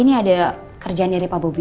ini ada kerjaan dari pak bobi